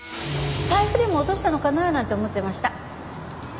財布でも落としたのかななんて思ってました。